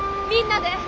みんなで。